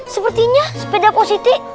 sepertinya sepeda positi